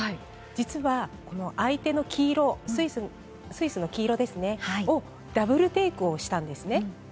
実は、この相手の黄色スイスの黄色をダブルテイクをしたんです。